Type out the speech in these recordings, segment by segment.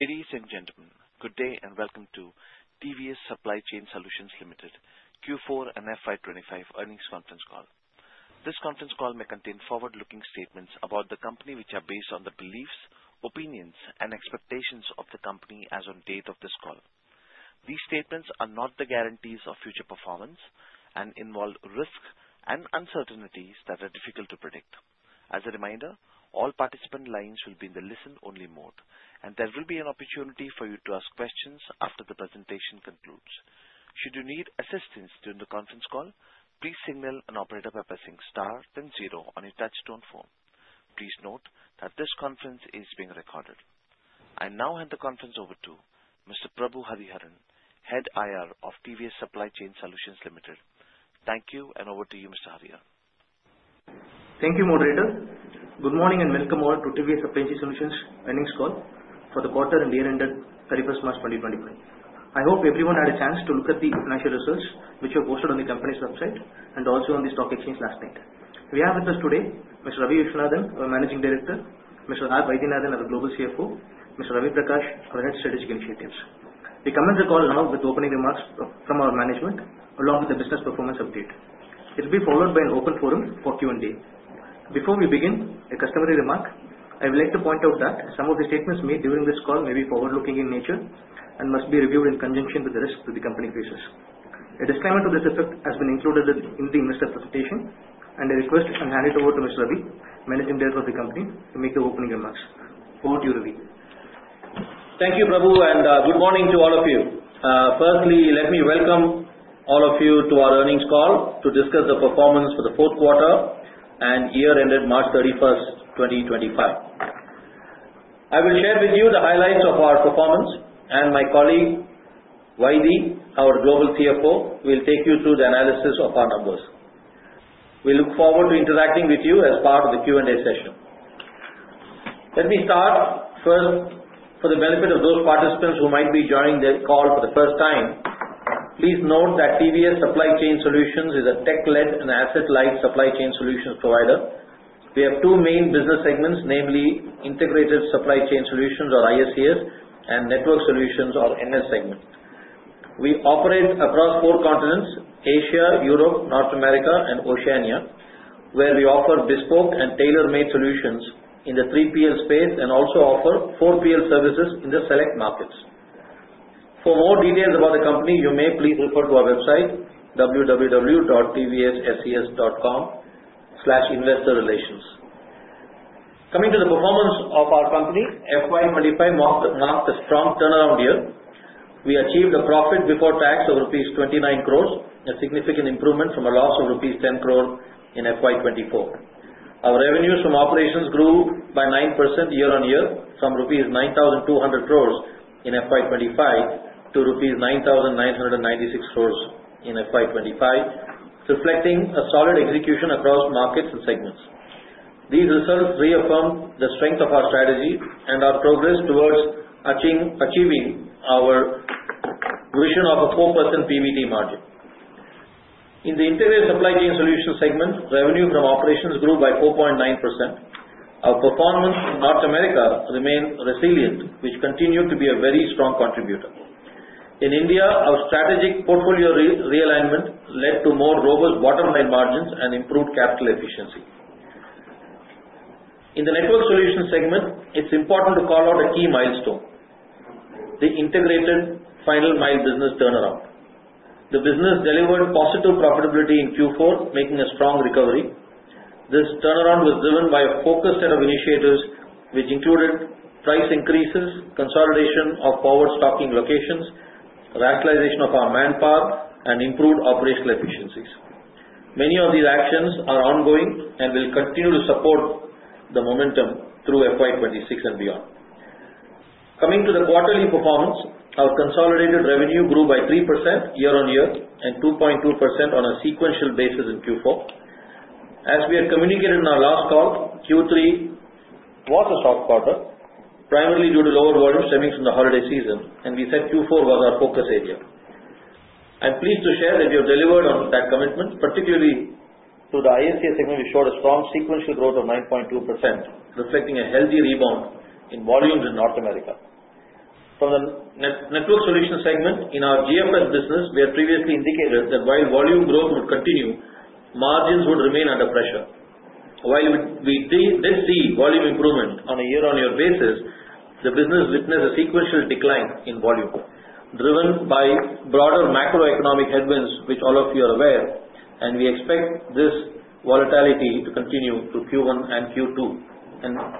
Ladies and gentlemen, good day and welcome to TVS Supply Chain Solutions Limited, Q4 and FY25 earnings conference call. This conference call may contain forward-looking statements about the company which are based on the beliefs, opinions, and expectations of the company as of the date of this call. These statements are not the guarantees of future performance and involve risks and uncertainties that are difficult to predict. As a reminder, all participant lines will be in the listen-only mode, and there will be an opportunity for you to ask questions after the presentation concludes. Should you need assistance during the conference call, please signal an operator by pressing star then zero on your touchstone phone. Please note that this conference is being recorded. I now hand the conference over to Mr. Prabhu Hariharan, Head IR of TVS Supply Chain Solutions Limited. Thank you, and over to you, Mr. Hariharan. Thank you, Moderator. Good morning and welcome all to TVS Supply Chain Solutions earnings call for the quarter and year-end date 31st March 2025. I hope everyone had a chance to look at the financial results which were posted on the company's website and also on the stock exchange last night. We have with us today Mr. Ravi Viswanathan, our Managing Director; Mr. Vaidhyanathan, our Global CFO; Mr. Ravi Prakash, our Head Strategic Initiatives. We commence the call now with opening remarks from our management along with the business performance update. It will be followed by an open forum for Q&A. Before we begin, a customary remark, I would like to point out that some of the statements made during this call may be forward-looking in nature and must be reviewed in conjunction with the risks that the company faces. A disclaimer to this effect has been included in the investor presentation, and I request and hand it over to Mr. Ravi, Managing Director of the company, to make the opening remarks. Over to you, Ravi. Thank you, Prabhu, and good morning to all of you. Firstly, let me welcome all of you to our earnings call to discuss the performance for the fourth quarter and year-end date March 31, 2025. I will share with you the highlights of our performance, and my colleague Vaidhi, our Global CFO, will take you through the analysis of our numbers. We look forward to interacting with you as part of the Q&A session. Let me start first. For the benefit of those participants who might be joining the call for the first time, please note that TVS Supply Chain Solutions is a tech-led and asset-light supply chain solutions provider. We have two main business segments, namely Integrated Supply Chain Solutions, or ISCS, and Network Solutions, or NS segment. We operate across four continents: Asia, Europe, North America, and Oceania, where we offer bespoke and tailor-made solutions in the 3PL space and also offer 4PL services in the select markets. For more details about the company, you may please refer to our website, www.tvsscs.com/investorrelations. Coming to the performance of our company, 2025 marked a strong turnaround year. We achieved a profit before tax of rupees 29 crore, a significant improvement from a loss of rupees 10 crore in FY 2024. Our revenues from operations grew by 9% year-on-year from rupees 9,200 crores in FY 2025 to rupees 9,996 crores in FY 2025, reflecting a solid execution across markets and segments. These results reaffirm the strength of our strategy and our progress towards achieving our vision of a 4% PBT margin. In the Integrated Supply Chain Solutions segment, revenue from operations grew by 4.9%. Our performance in North America remained resilient, which continued to be a very strong contributor. In India, our strategic portfolio realignment led to more robust bottom-line margins and improved capital efficiency. In the Network Solutions segment, it's important to call out a key milestone: the Integrated Final Mile business turnaround. The business delivered positive profitability in Q4, making a strong recovery. This turnaround was driven by a focused set of initiatives, which included price increases, consolidation of forward-stocking locations, radicalization of our manpower, and improved operational efficiencies. Many of these actions are ongoing and will continue to support the momentum through FY26 and beyond. Coming to the quarterly performance, our consolidated revenue grew by 3% year-on-year and 2.2% on a sequential basis in Q4. As we had communicated in our last call, Q3 was a soft quarter, primarily due to lower volumes stemming from the holiday season, and we said Q4 was our focus area. I'm pleased to share that we have delivered on that commitment, particularly through the ISCS segment. We showed a strong sequential growth of 9.2%, reflecting a healthy rebound in volumes in North America. From the Network Solutions segment, in our GFS business, we had previously indicated that while volume growth would continue, margins would remain under pressure. While we did see volume improvement on a year-on-year basis, the business witnessed a sequential decline in volume, driven by broader macroeconomic headwinds, which all of you are aware, and we expect this volatility to continue through Q1 and Q2.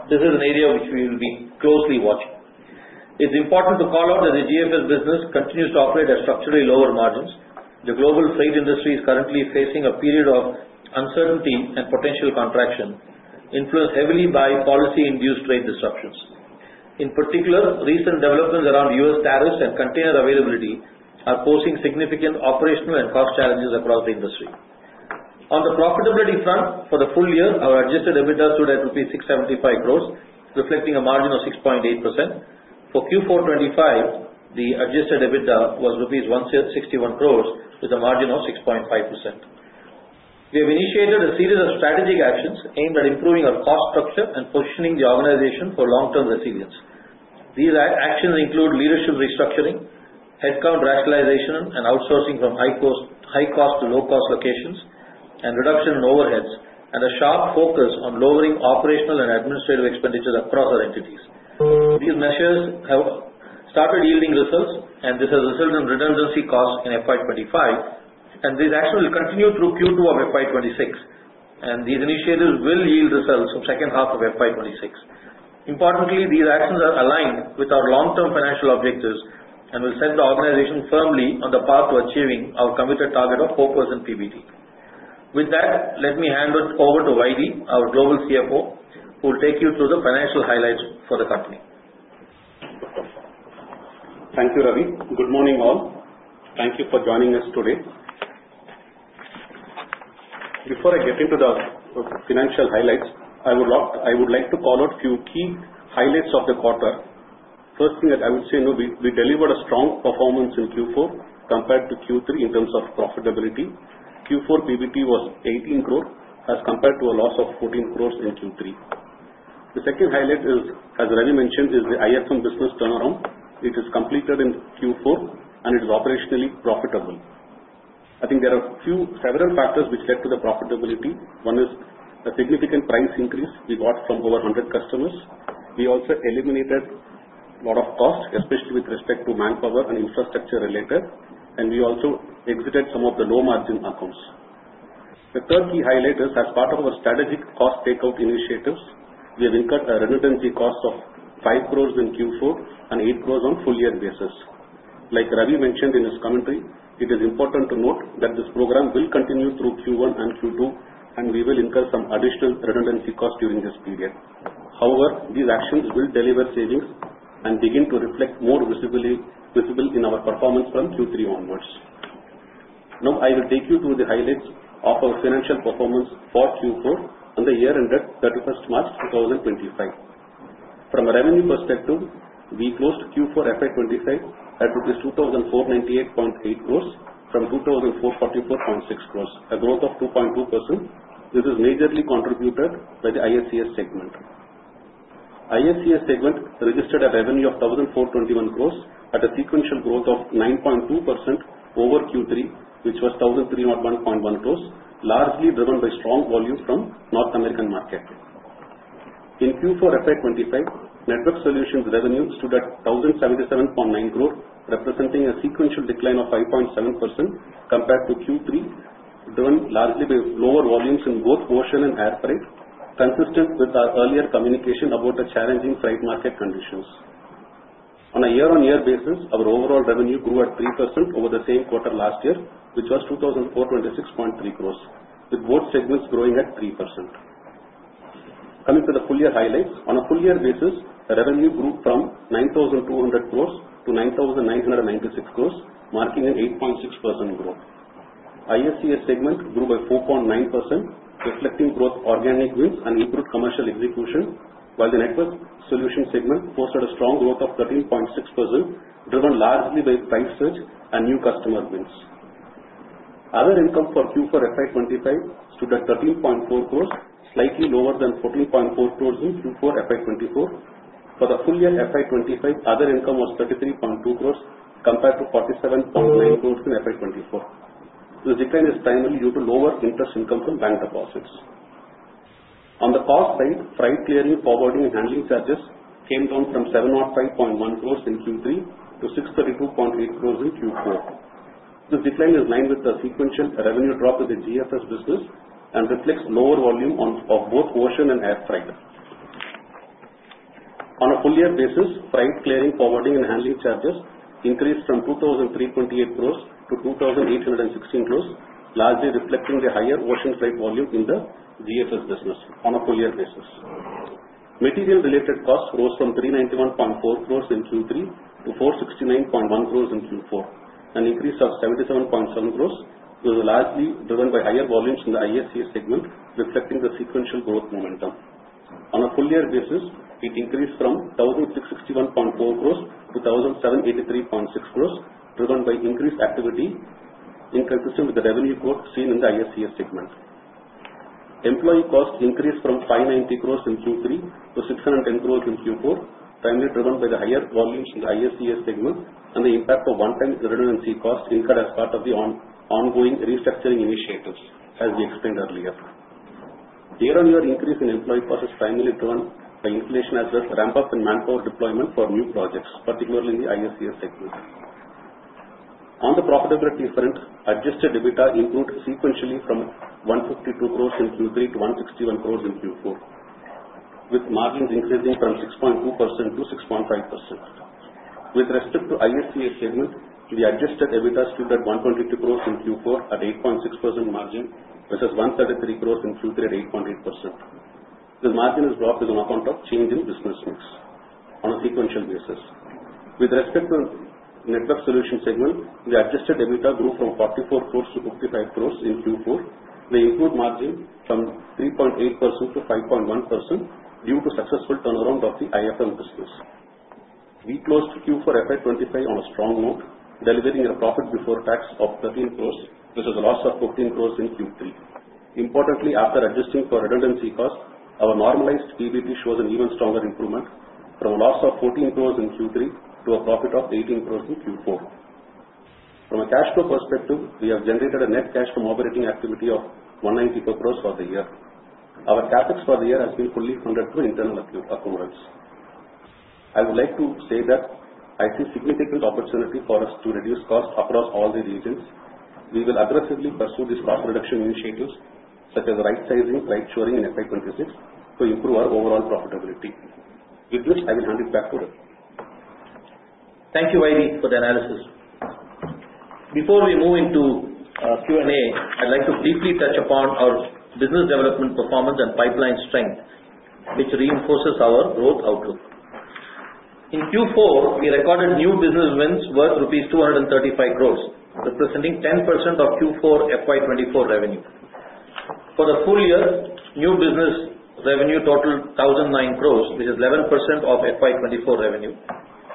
This is an area which we will be closely watching. It's important to call out that the GFS business continues to operate at structurally lower margins. The global freight industry is currently facing a period of uncertainty and potential contraction, influenced heavily by policy-induced trade disruptions. In particular, recent developments around U.S. tariffs and container availability are posing significant operational and cost challenges across the industry. On the profitability front, for the full year, our adjusted EBITDA stood at 675 crore rupees, reflecting a margin of 6.8%. For Q4 2025, the adjusted EBITDA was rupees 161 crores, with a margin of 6.5%. We have initiated a series of strategic actions aimed at improving our cost structure and positioning the organization for long-term resilience. These actions include leadership restructuring, headcount rationalization and outsourcing from high-cost to low-cost locations, and reduction in overheads, and a sharp focus on lowering operational and administrative expenditures across our entities. These measures have started yielding results, and this has resulted in redundancy costs in FY25. These actions will continue through Q2 of FY26, and these initiatives will yield results for the second half of FY26. Importantly, these actions are aligned with our long-term financial objectives and will set the organization firmly on the path to achieving our committed target of 4% PBT. With that, let me hand it over to Vaidhi, our Global CFO, who will take you through the financial highlights for the company. Thank you, Ravi. Good morning, all. Thank you for joining us today. Before I get into the financial highlights, I would like to call out a few key highlights of the quarter. First thing that I would say, we delivered a strong performance in Q4 compared to Q3 in terms of profitability. Q4 PBT was 18 crore, as compared to a loss of 14 crore in Q3. The second highlight, as Ravi mentioned, is the IFM business turnaround. It is completed in Q4, and it is operationally profitable. I think there are several factors which led to the profitability. One is a significant price increase we got from over 100 customers. We also eliminated a lot of costs, especially with respect to manpower and infrastructure related, and we also exited some of the low-margin accounts. The third key highlight is, as part of our strategic cost takeout initiatives, we have incurred a redundancy cost of 5 crore in Q4 and 8 crore on a full-year basis. Like Ravi mentioned in his commentary, it is important to note that this program will continue through Q1 and Q2, and we will incur some additional redundancy costs during this period. However, these actions will deliver savings and begin to reflect more visibly in our performance from Q3 onwards. Now, I will take you through the highlights of our financial performance for Q4 on the year-end date 31 March 2025. From a revenue perspective, we closed Q4 FY25 at 2,498.8 crore from 2,444.6 crore, a growth of 2.2%. This is majorly contributed by the ISCS segment. The ISCS segment registered a revenue of 1,421 crore at a sequential growth of 9.2% over Q3, which was 1,301.1 crore, largely driven by strong volume from the North American market. In Q4 FY2025, Network Solutions revenue stood at 1,077.9 crore, representing a sequential decline of 5.7% compared to Q3, driven largely by lower volumes in both ocean and air freight, consistent with our earlier communication about the challenging freight market conditions. On a year-on-year basis, our overall revenue grew at 3% over the same quarter last year, which was 2,426.3 crore, with both segments growing at 3%. Coming to the full-year highlights, on a full-year basis, revenue grew from 9,200 crore to 9,996 crore, marking an 8.6% growth. The ISCS segment grew by 4.9%, reflecting growth of organic wins and improved commercial execution, while the Network Solutions segment posted a strong growth of 13.6%, driven largely by price surge and new customer wins. Other income for Q4 FY 2025 stood at 13.4 crores, slightly lower than 14.4 crores in Q4 FY 2024. For the full year FY 2025, other income was 33.2 crores compared to 47.9 crores in FY 2024. This decline is primarily due to lower interest income from bank deposits. On the cost side, freight clearing, forwarding, and handling charges came down from 705.1 crores in Q3 to 632.8 crores in Q4. This decline is lined with the sequential revenue drop in the GFS business and reflects lower volume of both ocean and air freight. On a full-year basis, freight clearing, forwarding, and handling charges increased from 2,328 crores-2,816 crores, largely reflecting the higher ocean freight volume in the GFS business on a full-year basis. Material-related costs rose from 391.4 crores in Q3 to 469.1 crores in Q4, an increase of 77.7 crores, largely driven by higher volumes in the ISCS segment, reflecting the sequential growth momentum. On a full-year basis, it increased from 1,661.4 crores to 1,783.6 crores, driven by increased activity inconsistent with the revenue growth seen in the ISCS segment. Employee costs increased from 590 crores in Q3 to 610 crores in Q4, primarily driven by the higher volumes in the ISCS segment and the impact of one-time redundancy costs incurred as part of the ongoing restructuring initiatives, as we explained earlier. Year-on-year increase in employee costs is primarily driven by inflation as well as ramp-up in manpower deployment for new projects, particularly in the ISCS segment. On the profitability front, adjusted EBITDA improved sequentially from 152 crore in Q3 to 161 crore in Q4, with margins increasing from 6.2%-6.5%. With respect to the ISCS segment, the adjusted EBITDA stood at 122 crore in Q4 at 8.6% margin versus 133 crore in Q3 at 8.8%. The margin is dropped on account of change in business mix on a sequential basis. With respect to the Network Solutions segment, the adjusted EBITDA grew from 44 crore-55 crore in Q4. The improved margin from 3.8%-5.1% due to successful turnaround of the IFM business. We closed Q4 FY 2025 on a strong note, delivering a profit before tax of 13 crore versus a loss of 14 crore in Q3. Importantly, after adjusting for redundancy costs, our normalized PBT shows an even stronger improvement from a loss of 14 crore in Q3 to a profit of 18 crore in Q4. From a cash flow perspective, we have generated a net cash from operating activity of 194 crore for the year. Our CapEx for the year has been fully funded through internal accruals. I would like to say that I see significant opportunity for us to reduce costs across all the regions. We will aggressively pursue these cost reduction initiatives, such as right-sizing, right-shoring in FY 2026, to improve our overall profitability. With this, I will hand it back to Ravi. Thank you, Vaidhi, for the analysis. Before we move into Q&A, I'd like to briefly touch upon our business development performance and pipeline strength, which reinforces our growth outlook. In Q4, we recorded new business wins worth rupees 235 crore, representing 10% of Q4 FY 2024 revenue. For the full year, new business revenue totaled 1,009 crore, which is 11% of FY 2024 revenue,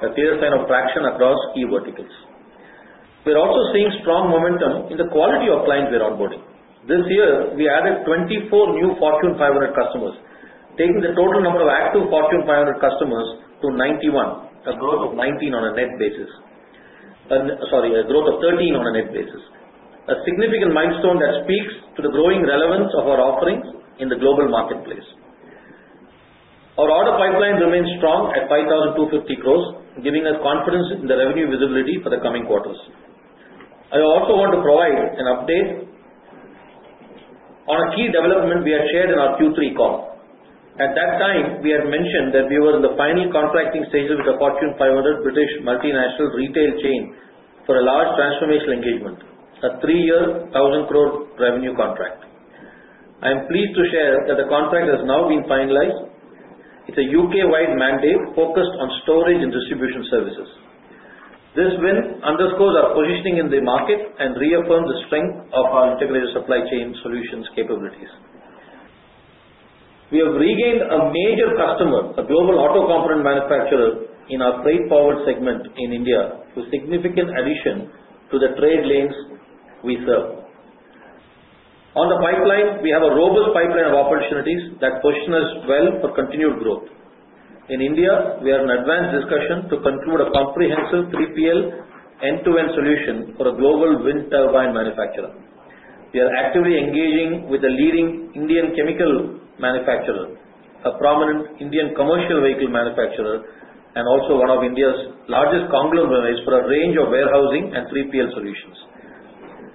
a clear sign of traction across key verticals. We're also seeing strong momentum in the quality of clients we're onboarding. This year, we added 24 new Fortune 500 customers, taking the total number of active Fortune 500 customers to 91, a growth of 19 on a net basis—sorry, a growth of 13 on a net basis—a significant milestone that speaks to the growing relevance of our offerings in the global marketplace. Our order pipeline remains strong at 5,250 crore, giving us confidence in the revenue visibility for the coming quarters. I also want to provide an update on a key development we had shared in our Q3 call. At that time, we had mentioned that we were in the final contracting stages with a Fortune 500 British multinational retail chain for a large transformational engagement, a three-year 1,000 crore revenue contract. I am pleased to share that the contract has now been finalized. It is a U.K.-wide mandate focused on storage and distribution services. This win underscores our positioning in the market and reaffirms the strength of our integrated supply chain solutions capabilities. We have regained a major customer, a global auto component manufacturer in our freight-forward segment in India, with significant addition to the trade lanes we serve. On the pipeline, we have a robust pipeline of opportunities that position us well for continued growth. In India, we are in advanced discussion to conclude a comprehensive 3PL end-to-end solution for a global wind turbine manufacturer. We are actively engaging with a leading Indian chemical manufacturer, a prominent Indian commercial vehicle manufacturer, and also one of India's largest conglomerates for a range of warehousing and 3PL solutions.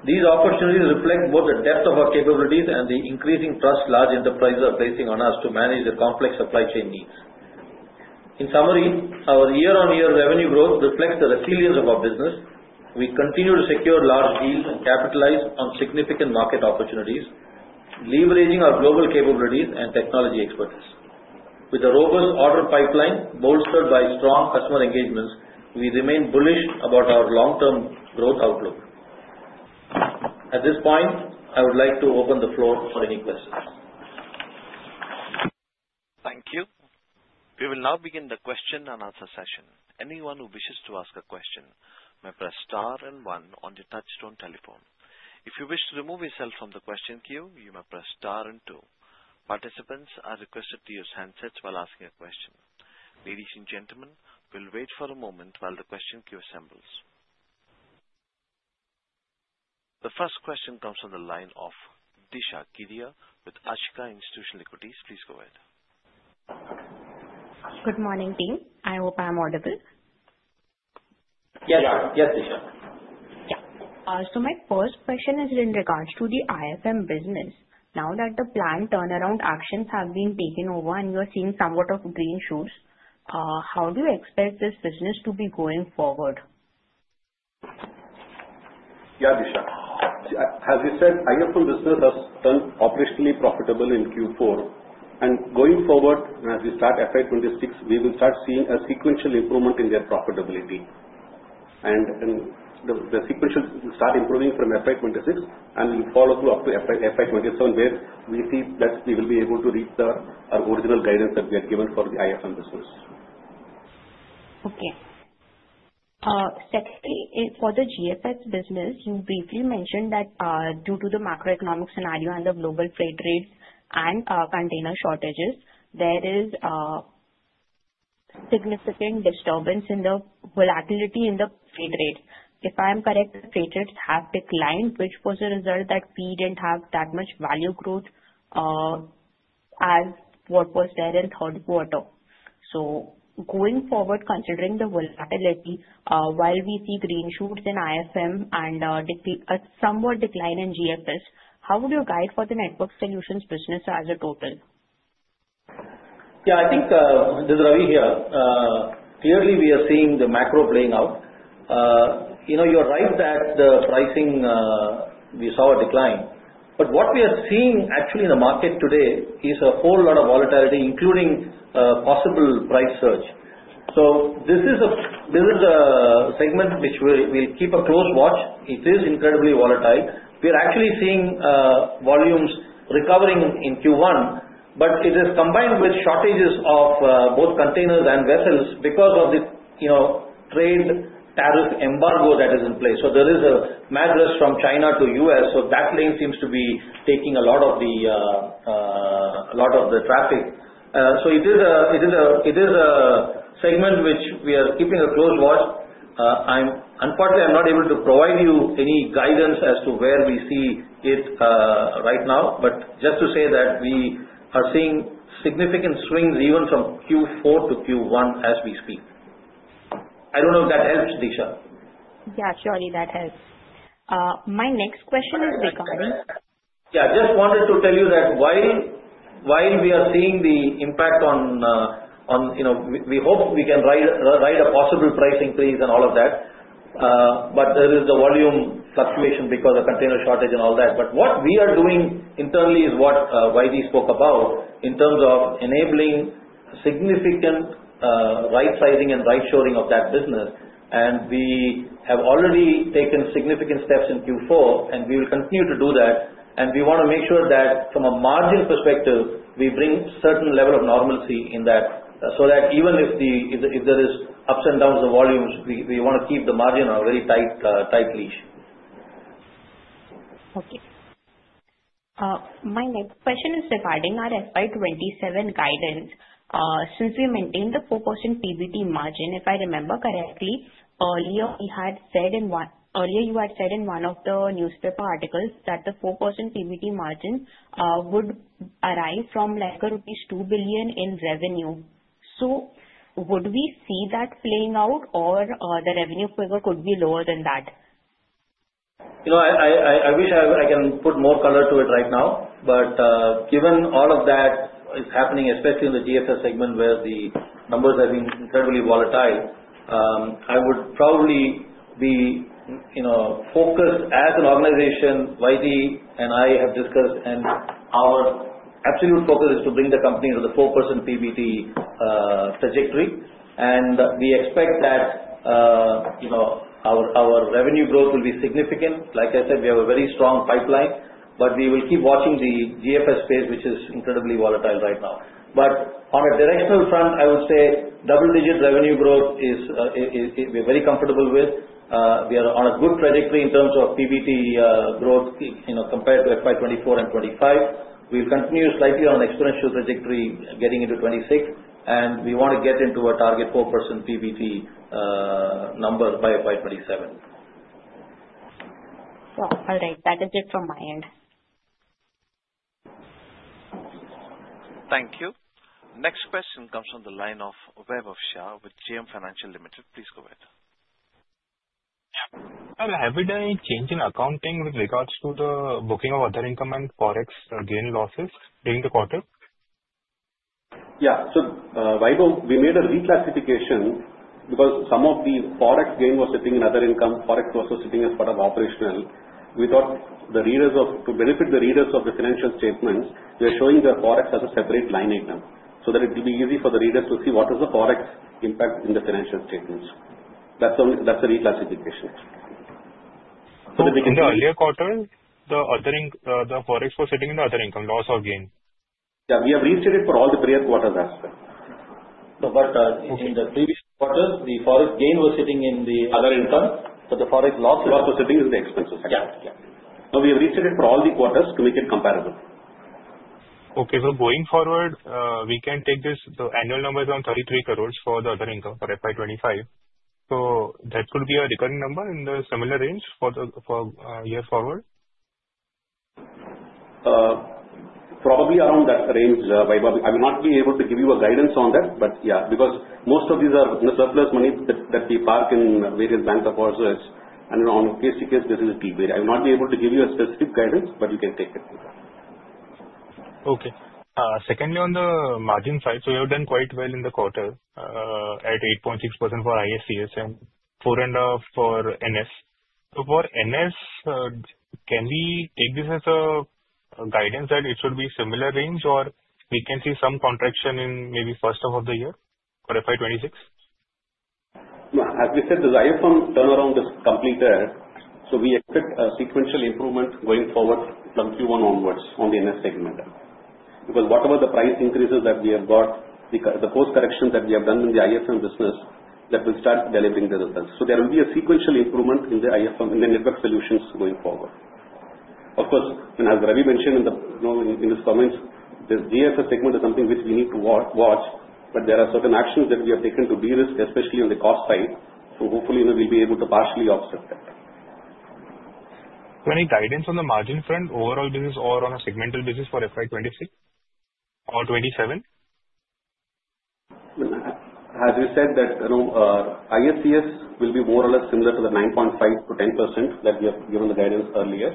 These opportunities reflect both the depth of our capabilities and the increasing trust large enterprises are placing on us to manage the complex supply chain needs. In summary, our year-on-year revenue growth reflects the resilience of our business. We continue to secure large deals and capitalize on significant market opportunities, leveraging our global capabilities and technology expertise. With a robust order pipeline bolstered by strong customer engagements, we remain bullish about our long-term growth outlook. At this point, I would like to open the floor for any questions. Thank you. We will now begin the question and answer session. Anyone who wishes to ask a question may press star and one on your touchstone telephone. If you wish to remove yourself from the question queue, you may press star and two. Participants are requested to use handsets while asking a question. Ladies and gentlemen, we'll wait for a moment while the question queue assembles. The first question comes from the line of Disha Giria with Ashika Institutional Equities. Please go ahead. Good morning, team. I hope I'm audible. Yes. Yeah. Yes, Disha. Yeah. My first question is in regards to the IFM business. Now that the planned turnaround actions have been taken over and you're seeing somewhat of green shoots, how do you expect this business to be going forward? Yeah, Disha. As you said, IFM business has turned operationally profitable in Q4. As we start FY 2026, we will start seeing a sequential improvement in their profitability. The sequential will start improving from FY 2026, and will follow through up to FY 2027, where we see that we will be able to reach our original guidance that we had given for the IFM business. Okay. Secondly, for the GFS business, you briefly mentioned that due to the macroeconomic scenario and the global freight rates and container shortages, there is significant disturbance in the volatility in the freight rates. If I'm correct, the freight rates have declined, which was a result that we didn't have that much value growth as what was there in the third quarter so Going forward, considering the volatility, while we see green shoots in IFM and a somewhat decline in GFS, how would you guide for the Network Solutions business as a total? Yeah, I think there's Ravi here. Clearly, we are seeing the macro playing out. You're right that the pricing, we saw a decline. What we are seeing actually in the market today is a whole lot of volatility, including possible price surge. This is a segment which we'll keep a close watch. It is incredibly volatile. We're actually seeing volumes recovering in Q1, but it is combined with shortages of both containers and vessels because of the trade tariff embargo that is in place. There is a mad rush from China to the U.S., so that lane seems to be taking a lot of the traffic. It is a segment which we are keeping a close watch. Unfortunately, I'm not able to provide you any guidance as to where we see it right now, but just to say that we are seeing significant swings even from Q4 to Q1 as we speak. I don't know if that helps, Disha. Yeah, surely that helps. My next question is regarding. Yeah, I just wanted to tell you that while we are seeing the impact on, we hope we can ride a possible price increase and all of that, there is the volume fluctuation because of container shortage and all that. What we are doing internally is what Vaidhy spoke about in terms of enabling significant right-sizing and right-shoring of that business. We have already taken significant steps in Q4, and we will continue to do that. We want to make sure that from a margin perspective, we bring a certain level of normalcy in that so that even if there are ups and downs of volumes, we want to keep the margin on a very tight leash. Okay. My next question is regarding our FY 2027 guidance. Since we maintained the 4% PBT margin, if I remember correctly, earlier you had said in one of the newspaper articles that the 4% PBT margin would arrive from rupees 2 billion in revenue. So would we see that playing out, or the revenue figure could be lower than that? I wish I can put more color to it right now, but given all of that is happening, especially in the GFS segment where the numbers have been incredibly volatile, I would probably be focused as an organization. Vaidhi and I have discussed, and our absolute focus is to bring the company to the 4% PBT trajectory. We expect that our revenue growth will be significant. Like I said, we have a very strong pipeline, but we will keep watching the GFS space, which is incredibly volatile right now. On a directional front, I would say double-digit revenue growth is we're very comfortable with. We are on a good trajectory in terms of PBT growth compared to FY 2024 and FY 2025. We will continue slightly on an exponential trajectory getting into 2026, and we want to get into our target 4% PBT number by FY 2027. All right. That is it from my end. Thank you. Next question comes from the line of Vaibhav Shah with GM Financial Limited. Please go ahead. Have you done any change in accounting with regards to the booking of other income and forex gain losses during the quarter? Yeah. Vaibhav, we made a reclassification because some of the forex gain was sitting in other income. Forex was also sitting as part of operational. We thought to benefit the readers of the financial statements, we are showing the forex as a separate line item so that it will be easy for the readers to see what is the forex impact in the financial statements. That's the reclassification. In the earlier quarter, the forex was sitting in the other income loss or gain? Yeah, we have restated for all the prior quarters as well. In the previous quarter, the forex gain was sitting in the other income, but the forex loss was sitting in the expenses. We have restated for all the quarters to make it comparable. Okay. Going forward, we can take this. The annual number is around 33 crore for the other income for FY 2025. That could be a recurring number in the similar range for the year forward? Probably around that range, Vaibhav. I will not be able to give you a guidance on that, but yeah, because most of these are the surplus money that we park in various banks or corporations. On a case-to-case, this is a key way. I will not be able to give you a specific guidance, but you can take it. Okay. Secondly, on the margin side, you have done quite well in the quarter at 8.6% for ISCS and 4.5% for NS. For NS, can we take this as a guidance that it should be a similar range, or we can see some contraction in maybe the first half of the year for FY 2026? Yeah. As we said, the IFM turnaround is complete there. We expect a sequential improvement going forward from Q1 onwards on the NS segment because whatever the price increases that we have got, the post-corrections that we have done in the IFM business, that will start delivering the results. There will be a sequential improvement in the IFM in the Network Solutions going forward. Of course, as Ravi mentioned in his comments, the GFS segment is something which we need to watch, but there are certain actions that we have taken to de-risk, especially on the cost side. Hopefully, we will be able to partially offset that. Any guidance on the margin front overall business or on a segmental business for FY 2026 or 2027? As we said, that ISCS will be more or less similar to the 9.5%-10% that we have given the guidance earlier.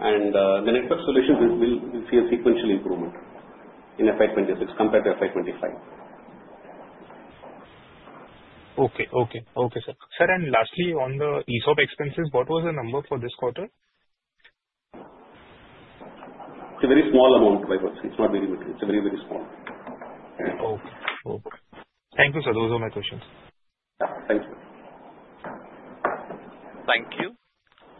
The network solution will see a sequential improvement in FY 2026 compared to FY 2025. Okay. Okay. Okay, sir. Sir, and lastly, on the ESOP expenses, what was the number for this quarter? It's a very small amount, Vaibhav. It's not very much. It's a very, very small amount. Okay. Okay. Thank you, sir. Those are my questions. Yeah. Thank you. Thank you.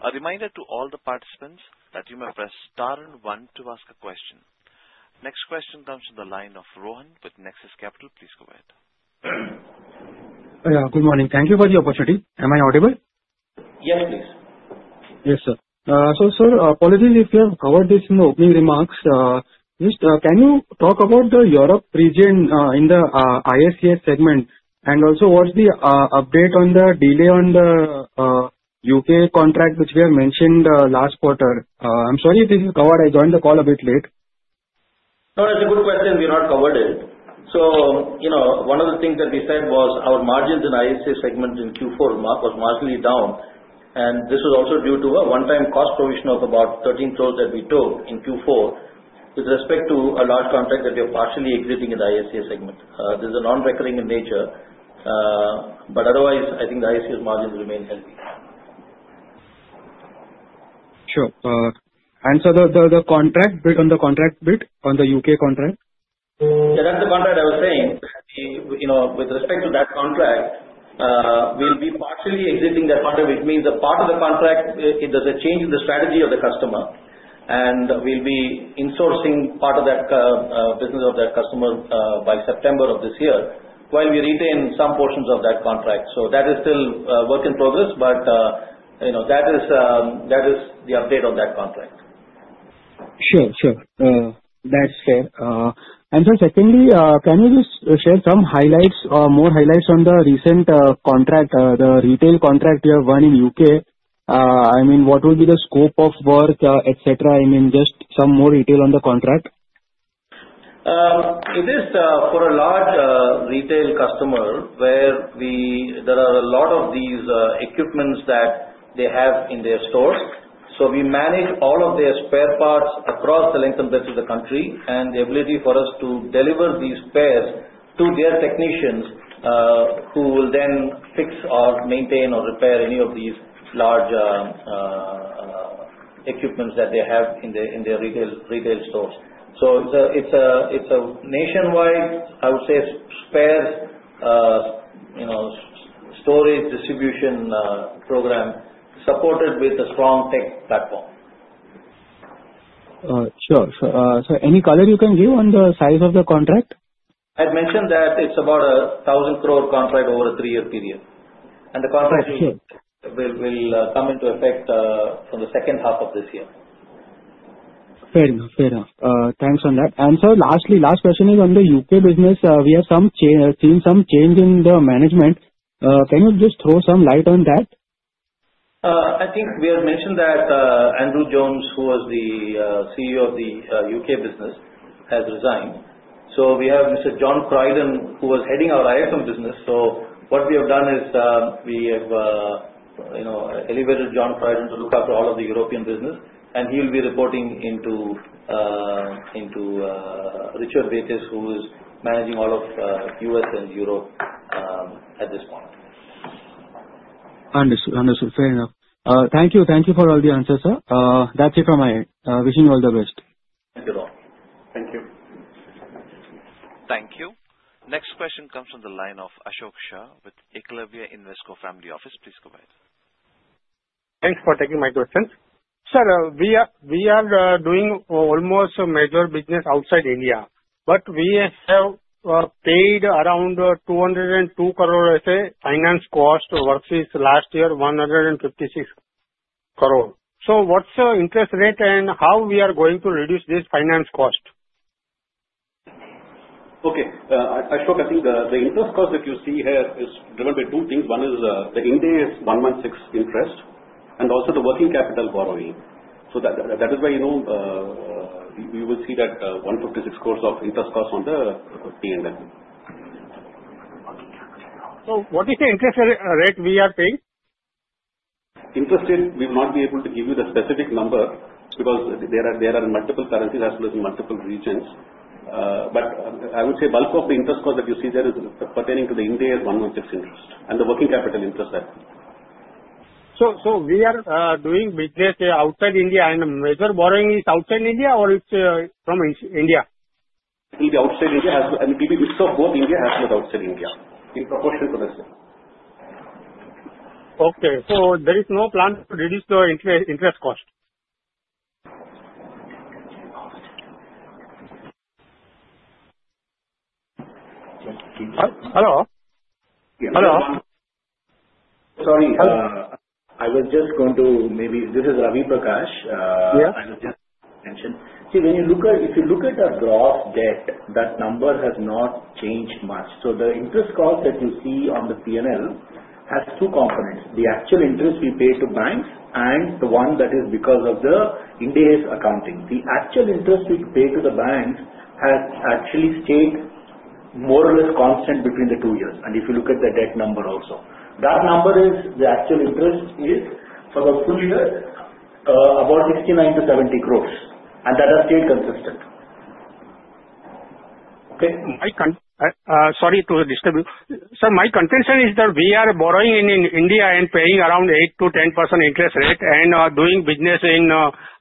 A reminder to all the participants that you may press star and one to ask a question. Next question comes from the line of Rohan with Nexus Capital. Please go ahead. Good morning. Thank you for the opportunity. Am I audible? Yes, please. Yes, sir. Sir, apologies if you have covered this in the opening remarks. Can you talk about the Europe region in the ISCS segment? Also, what's the update on the delay on the U.K. contract which we have mentioned last quarter? I'm sorry if this is covered. I joined the call a bit late. No, that's a good question. We're not covered in. One of the things that we said was our margins in the ISCS segment in Q4 was marginally down. This was also due to a one-time cost provision of about 13 crore that we took in Q4 with respect to a large contract that we are partially exiting in the ISCS segment. This is non-recurring in nature. Otherwise, I think the ISCS margins remain healthy. Sure. On the contract bit, on the U.K. contract? Yeah, that's the contract I was saying. With respect to that contract, we'll be partially exiting that contract. It means a part of the contract, there's a change in the strategy of the customer. We'll be insourcing part of that business of that customer by September of this year while we retain some portions of that contract. That is still a work in progress, but that is the update on that contract. Sure. That's fair. Secondly, can you just share some highlights or more highlights on the recent contract, the retail contract you have won in the U.K.? I mean, what will be the scope of work, etc.? I mean, just some more detail on the contract. It is for a large retail customer where there are a lot of these equipments that they have in their stores. We manage all of their spare parts across the length and breadth of the country and the ability for us to deliver these spares to their technicians who will then fix or maintain or repair any of these large equipments that they have in their retail stores. It is a nationwide, I would say, spares storage distribution program supported with a strong tech platform. Sure. Sure. Any color you can give on the size of the contract? I'd mentioned that it's about 1,000 crore contract over a three-year period. The contract will come into effect from the second half of this year. Fair enough. Fair enough. Thanks on that. Lastly, last question is on the U.K. business. We have seen some change in the management. Can you just throw some light on that? I think we had mentioned that Andrew Jones, who was the CEO of the U.K. business, has resigned. So we have Mr. John Criden, who was heading our IFM business. So what we have done is we have elevated John Criden to look after all of the European business, and he will be reporting into Richard Bates, who is managing all of U.S. and Europe at this point. Understood. Understood. Fair enough. Thank you. Thank you for all the answers, sir. That's it from my end. Wishing you all the best. Thank you. Next question comes from the line of Ashok Shah with Eklavya Invesco Family Office. Please go ahead. Thanks for taking my question. Sir, we are doing almost major business outside India, but we have paid around 202 crore as a finance cost versus last year 156 crore. What's the interest rate and how are we going to reduce this finance cost? Okay. Ashok, I think the interest cost that you see here is driven by two things. One is the India is 116 crore interest and also the working capital borrowing. That is why you will see that 156 crore of interest cost on the TNL. What is the interest rate we are paying? Interest rate, we will not be able to give you the specific number because there are multiple currencies as well as multiple regions. I would say bulk of the interest cost that you see there is pertaining to the India is 116 interest and the working capital interest that. So So We are doing business outside India, and the major borrowing is outside India or it's from India? It will be outside India, and it will be a mix of both India and outside India in proportion to the same. Okay. So there is no plan to reduce the interest cost? Hello? Hello? Sorry. I was just going to, maybe this is Ravi Prakash. I was just mentioning. See, when you look at, if you look at our gross debt, that number has not changed much. The interest cost that you see on the P&L has two components: the actual interest we pay to banks and the one that is because of the India's accounting. The actual interest we pay to the banks has actually stayed more or less constant between the two years. If you look at the debt number also, that number is, the actual interest is for the full year about 69 crore-70 crore, and that has stayed consistent. Okay? Sorry to disturb you. Sir, my contention is that we are borrowing in India and paying around 8-10% interest rate and doing business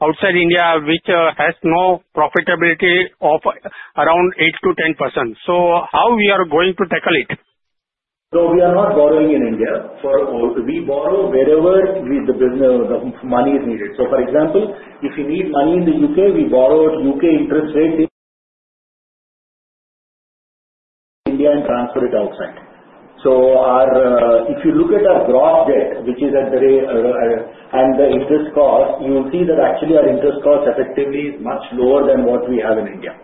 outside India, which has no profitability of around 8-10%. So how we are going to tackle it? We are not borrowing in India. We borrow wherever the money is needed. For example, if you need money in the U.K., we borrowed U.K. interest rate in India and transferred it outside. If you look at our gross debt, which is at the rate and the interest cost, you will see that actually our interest cost effectively is much lower than what we have in India.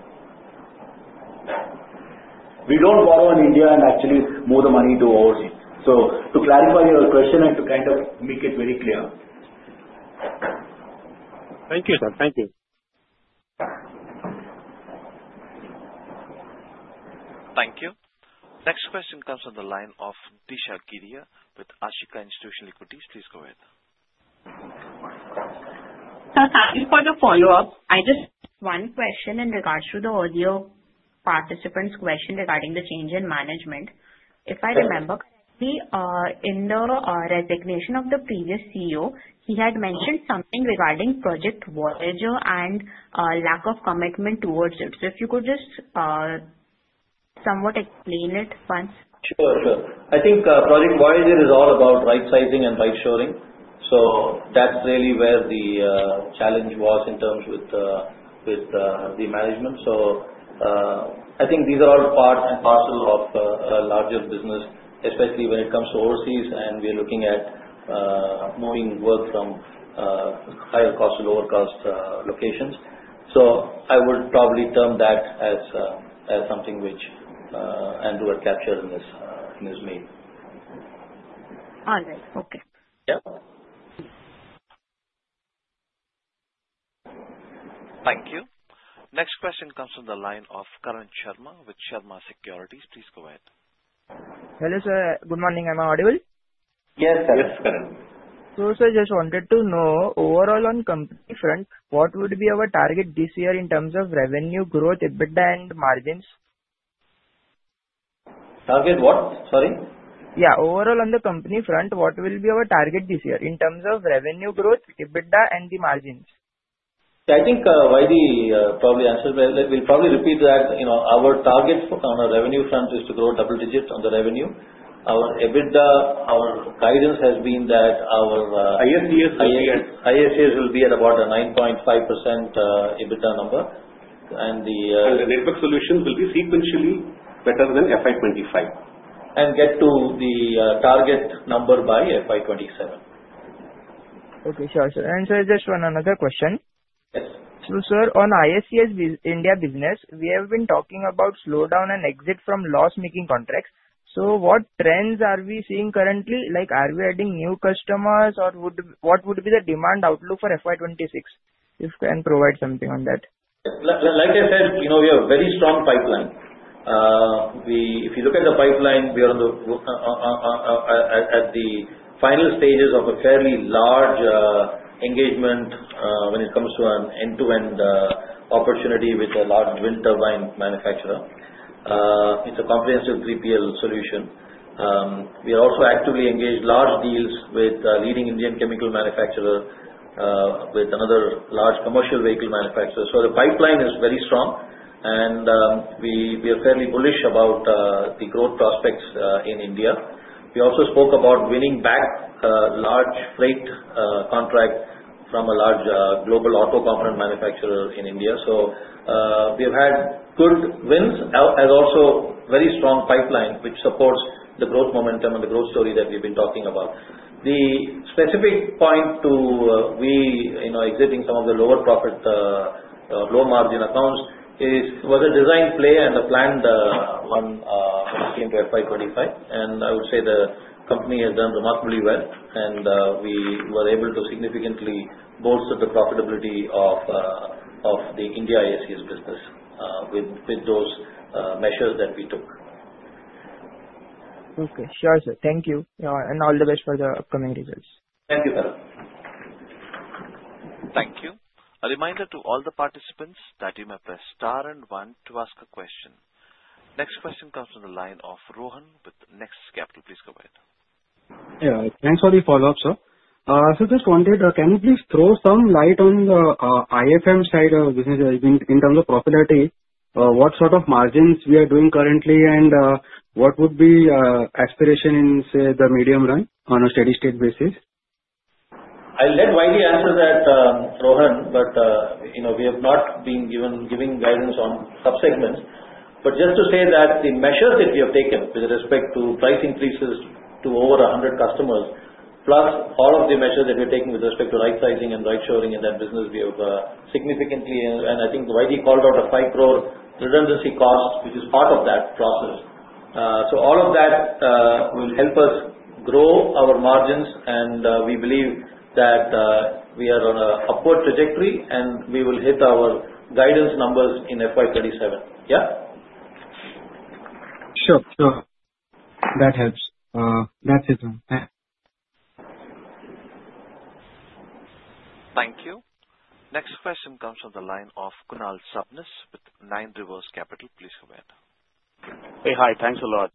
We do not borrow in India and actually move the money to overseas. To clarify your question and to kind of make it very clear. Thank you, sir. Thank you. Thank you. Next question comes from the line of Disha Giria with Ashika Institutional Equities. Please go ahead. Sir, thank you for the follow-up. I just have one question in regards to the audio participant's question regarding the change in management. If I remember correctly, in the resignation of the previous CEO, he had mentioned something regarding Project Voyager and lack of commitment towards it. If you could just somewhat explain it once. Sure. Sure. I think Project Voyager is all about right-sizing and right-shoring. That is really where the challenge was in terms with the management. I think these are all part and parcel of a larger business, especially when it comes to overseas, and we are looking at moving work from higher cost to lower cost locations. I would probably term that as something which Andrew had captured in his mail. All right. Okay. Yeah. Thank you. Next question comes from the line of Karan Sharma with Sharma Securities. Please go ahead. Hello, sir. Good morning. Am I audible? Yes, sir. Yes, Karan. Sir, I just wanted to know, overall on the company front, what would be our target this year in terms of revenue growth, EBITDA, and margins? Target what? Sorry. Yeah. Overall on the company front, what will be our target this year in terms of revenue growth, EBITDA, and the margins? I think Vaidhy probably answered well. We'll probably repeat that. Our target on our revenue front is to grow double-digit on the revenue. Our EBITDA, our guidance has been that our ISCS will be at about a 9.5% EBITDA number. The Network Solutions will be sequentially better than FY 2025 and get to the target number by FY 2027. Okay. Sure. Sure. And, sir, just one another question. Sir, on ISCS India business, we have been talking about slowdown and exit from loss-making contracts. What trends are we seeing currently? Are we adding new customers, or what would be the demand outlook for FY 2026? If you can provide something on that. Like I said, we have a very strong pipeline. If you look at the pipeline, we are at the final stages of a fairly large engagement when it comes to an end-to-end opportunity with a large wind turbine manufacturer. It's a comprehensive 3PL solution. We are also actively engaged in large deals with a leading Indian chemical manufacturer, with another large commercial vehicle manufacturer. The pipeline is very strong, and we are fairly bullish about the growth prospects in India. We also spoke about winning back a large freight contract from a large global auto component manufacturer in India. We have had good wins and also a very strong pipeline which supports the growth momentum and the growth story that we've been talking about. The specific point to exiting some of the lower profit or low margin accounts was a design play and a planned one when it came to FY 2025. I would say the company has done remarkably well, and we were able to significantly bolster the profitability of the India ISCS business with those measures that we took. Okay. Sure, sir. Thank you. All the best for the upcoming results. Thank you, sir. Thank you. A reminder to all the participants that you may press star and one to ask a question. Next question comes from the line of Rohan with Nexus Capital. Please go ahead. Yeah. Thanks for the follow-up, sir. I just wanted to, can you please throw some light on the IFM side of the business in terms of profitability? What sort of margins we are doing currently, and what would be the aspiration in, say, the medium run on a steady-state basis? I'll let Vaidi answer that, Rohan, but we have not been giving guidance on subsegments. Just to say that the measures that we have taken with respect to price increases to over 100 customers, plus all of the measures that we're taking with respect to right-sizing and right-shoring in that business, we have significantly. I think Vaidi called out a 5 crore redundancy cost, which is part of that process. All of that will help us grow our margins, and we believe that we are on an upward trajectory, and we will hit our guidance numbers in FY 2027. Yeah? Sure. Sure. That helps. That's it. Thank you. Next question comes from the line of Kunal Sabnis with Nine Rivers Capital. Please go ahead. Hey, hi. Thanks a lot.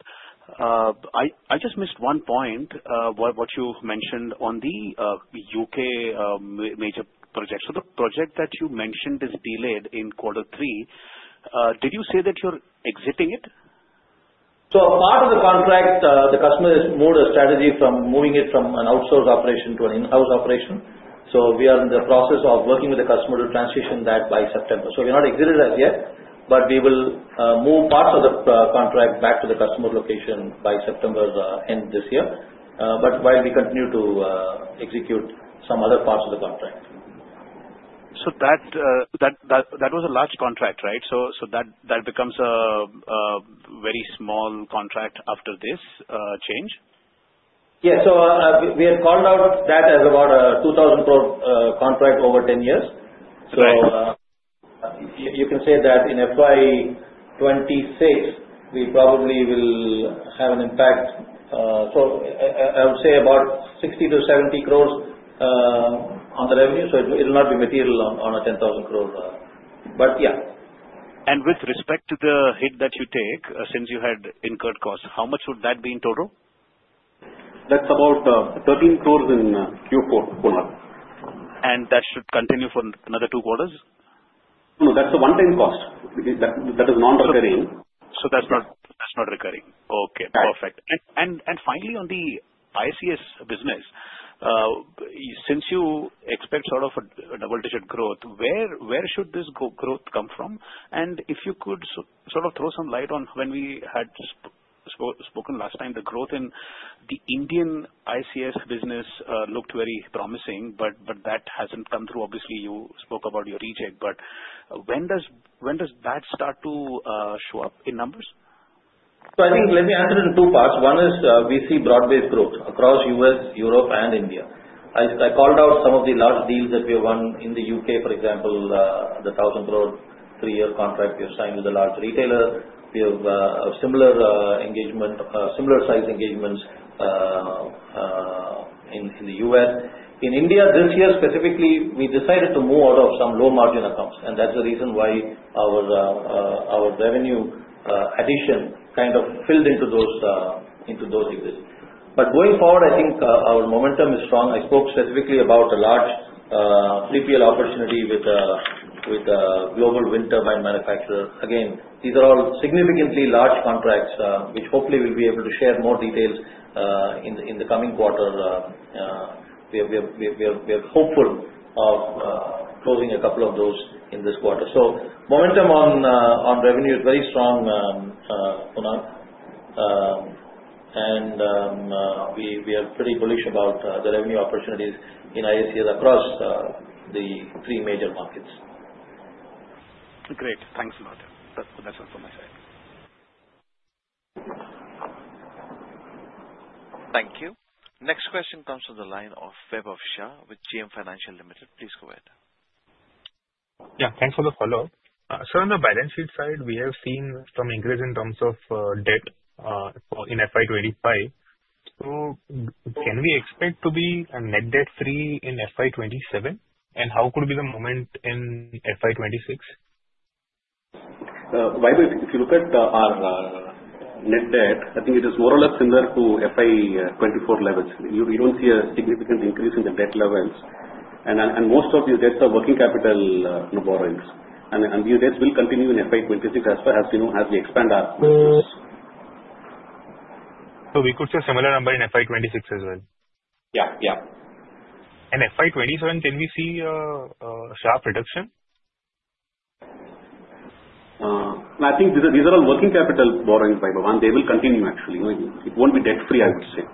I just missed one point, what you mentioned on the U.K. major project. So the project that you mentioned is delayed in quarter three. Did you say that you're exiting it? Part of the contract, the customer has moved a strategy from moving it from an outsource operation to an in-house operation. We are in the process of working with the customer to transition that by September. We are not exited as yet, but we will move parts of the contract back to the customer location by September end this year, while we continue to execute some other parts of the contract. That was a large contract, right? That becomes a very small contract after this change? Yeah. We had called out that as about an 2,000 crore contract over 10 years. You can say that in FY 2026, we probably will have an impact. I would say about 60-70 crore on the revenue. It will not be material on a 10,000 crore budget. Yeah. With respect to the hit that you take, since you had incurred costs, how much would that be in total? That's about 13 crore in Q4, Kunal. That should continue for another two quarters? No, no. That's a one-time cost. That is non-recurring. That is not recurring. Okay. Perfect. Finally, on the ISCS business, since you expect sort of a double-digit growth, where should this growth come from? If you could sort of throw some light on when we had spoken last time, the growth in the Indian ISCS business looked very promising, but that has not come through. Obviously, you spoke about your recheck, but when does that start to show up in numbers? I think let me answer it in two parts. One is we see broad-based growth across the U.S.., Europe, and India. I called out some of the large deals that we have won in the U.K. For example, the 1,000 crore three-year contract we have signed with a large retailer. We have similar size engagements in the U.S.. In India this year, specifically, we decided to move out of some low-margin accounts, and that's the reason why our revenue addition kind of filled into those exits. Going forward, I think our momentum is strong. I spoke specifically about a large 3PL opportunity with a global wind turbine manufacturer. Again, these are all significantly large contracts, which hopefully we'll be able to share more details in the coming quarter. We are hopeful of closing a couple of those in this quarter. Momentum on revenue is very strong, Kunal, and we are pretty bullish about the revenue opportunities in ISCS across the three major markets. Great. Thanks a lot. That's all from my side. Thank you. Next question comes from the line of Vaibhav Shah with GM Financial Limited. Please go ahead. Yeah. Thanks for the follow-up. Sir, on the balance sheet side, we have seen some increase in terms of debt in FY 2025. Can we expect to be net debt-free in FY 2027, and how could be the moment in FY 2026? Vaibhav, if you look at our net debt, I think it is more or less similar to FY 2024 levels. You do not see a significant increase in the debt levels, and most of these debts are working capital borrowings. These debts will continue in FY 2026 as far as we expand our business. We could see a similar number in FY 2026 as well. Yeah. Yeah. FY 2027, can we see a sharp reduction? I think these are all working capital borrowings, Vaibhav, and they will continue, actually. It won't be debt-free, I would say.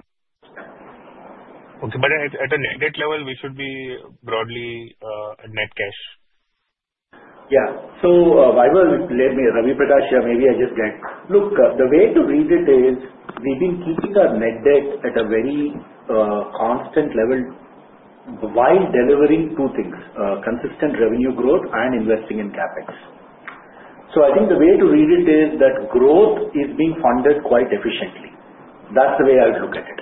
Okay. At a net debt level, we should be broadly net cash. Yeah. Vaibhav, Ravi Prakash here, maybe I just get, look, the way to read it is we've been keeping our net debt at a very constant level while delivering two things: consistent revenue growth and investing in CapEx. I think the way to read it is that growth is being funded quite efficiently. That's the way I would look at it,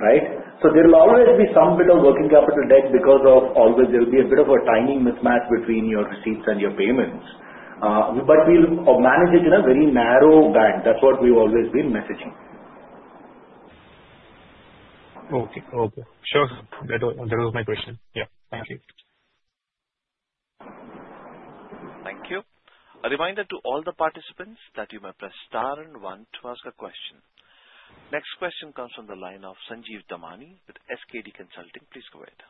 right? There will always be some bit of working capital debt because there will always be a bit of a tiny mismatch between your receipts and your payments, but we'll manage it in a very narrow band. That's what we've always been messaging. Okay. Okay. Sure. That was my question. Yeah. Thank you. Thank you. A reminder to all the participants that you may press star and one to ask a question. Next question comes from the line of Sanjeev Damani with SKD Consulting. Please go ahead.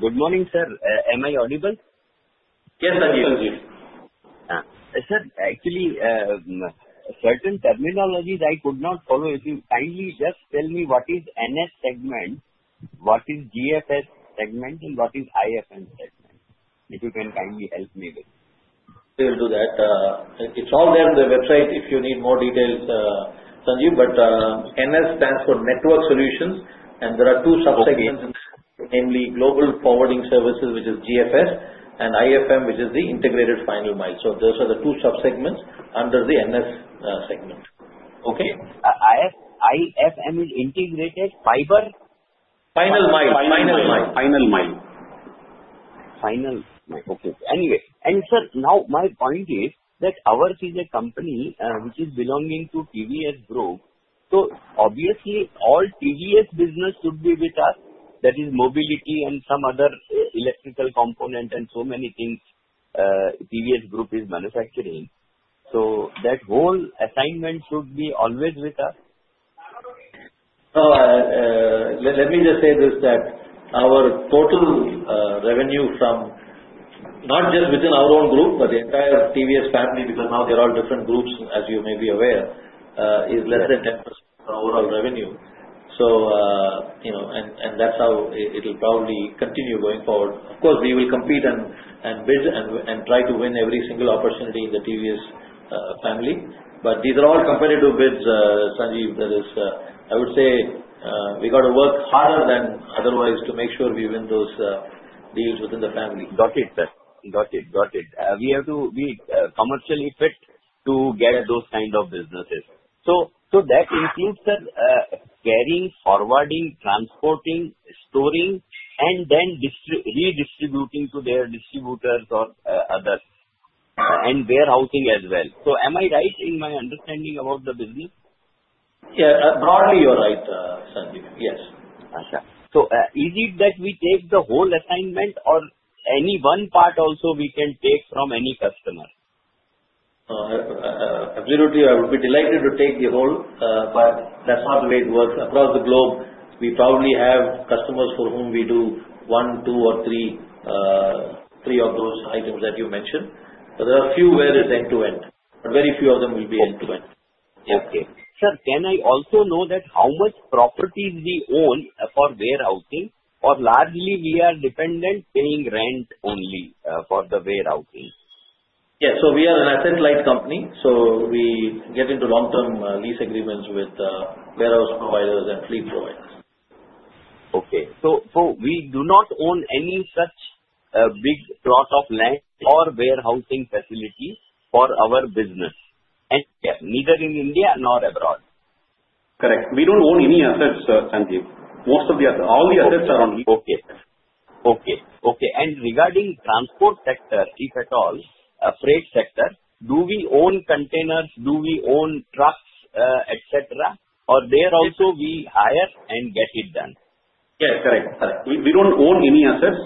Good morning, sir. Am I audible? Yes, Sanjeev Sir, actually, certain terminologies I could not follow. If you kindly just tell me what is NS segment, what is GFS segment, and what is IFM segment, if you can kindly help me with. We will do that. It's all there on the website. If you need more details, Sanjeev, but NS stands for Network Solutions, and there are two subsegments, namely Global Forwarding Services, which is GFS, and IFM, which is the Integrated Final Mile. So those are the two subsegments under the NS segment. Okay? IFM is Integrated Fiber? Final Mile. Final Mile. Final Mile. Okay. Anyway, sir, now my point is that ours is a company which is belonging to TVS Group. Obviously, all TVS business should be with us. That is mobility and some other electrical component and so many things TVS Group is manufacturing. That whole assignment should always be with us. Let me just say this: our total revenue from not just within our own group, but the entire TVS family, because now they are all different groups, as you may be aware, is less than 10% of our overall revenue. That is how it will probably continue going forward. Of course, we will compete and bid and try to win every single opportunity in the TVS family, but these are all competitive bids, Sanjeev. I would say we got to work harder than otherwise to make sure we win those deals within the family. Got it, sir. Got it. We have to be commercially fit to get those kind of businesses. That includes carrying, forwarding, transporting, storing, and then redistributing to their distributors or others and warehousing as well. Am I right in my understanding about the business? Yeah. Broadly, you're right, Sanjeev. Yes. Is it that we take the whole assignment, or any one part also we can take from any customer? Absolutely. I would be delighted to take the whole, but that's not the way it works. Across the globe, we probably have customers for whom we do one, two, or three of those items that you mentioned. There are a few where it's end-to-end, but very few of them will be end-to-end. Okay. Sir, can I also know how much properties we own for warehousing, or largely we are dependent paying rent only for the warehousing? Yeah. So we are an asset-light company, so we get into long-term lease agreements with warehouse providers and fleet providers. Okay. So we do not own any such big plot of land or warehousing facility for our business, neither in India nor abroad? Correct. We do not own any assets, Sanjeev. All the assets are on. Okay. Okay. Okay. And regarding transport sector, if at all, freight sector, do we own containers? Do we own trucks, etc., or there also we hire and get it done? Yeah. Correct. We do not own any assets.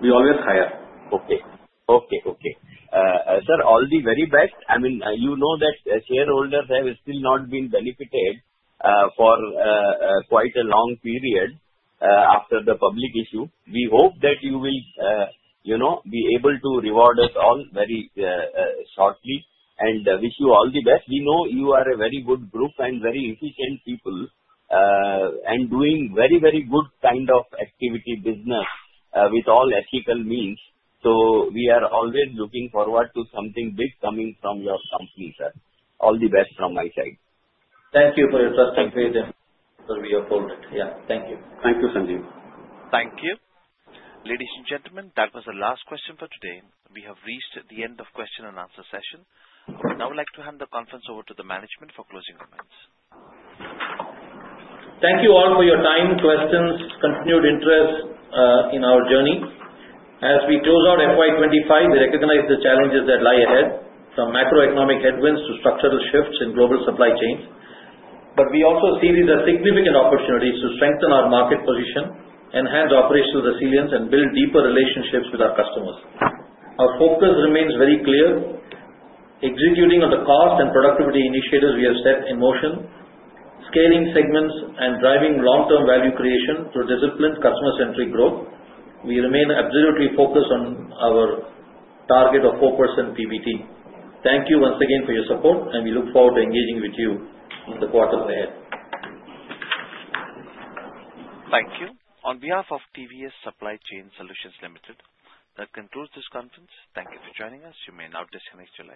We always hire. Okay. Okay. Okay. Sir, all the very best. I mean, you know that shareholders have still not been benefited for quite a long period after the public issue. We hope that you will be able to reward us all very shortly and wish you all the best. We know you are a very good group and very efficient people and doing very, very good kind of activity business with all ethical means. We are always looking forward to something big coming from your company, sir. All the best from my side. Thank you for your trust and faith in us. We are forwarded. Yeah. Thank you. Thank you, Sanjeev. Thank you. Ladies and gentlemen, that was the last question for today. We have reached the end of question and answer session. I would now like to hand the conference over to the management for closing comments. Thank you all for your time, questions, continued interest in our journey. As we close out FY 2025, we recognize the challenges that lie ahead, from macroeconomic headwinds to structural shifts in global supply chains. We also see these as significant opportunities to strengthen our market position, enhance operational resilience, and build deeper relationships with our customers. Our focus remains very clear: executing on the cost and productivity initiatives we have set in motion, scaling segments, and driving long-term value creation through disciplined customer-centric growth. We remain absolutely focused on our target of 4% PBT. Thank you once again for your support, and we look forward to engaging with you in the quarters ahead. Thank you. On behalf of TVS Supply Chain Solutions Limited, that concludes this conference. Thank you for joining us. You may now disconnect.